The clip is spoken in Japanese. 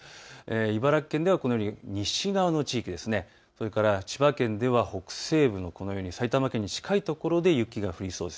茨城県ではこのように西側の地域、それから千葉県では北西部の埼玉県に近い所で雪が降りそうです。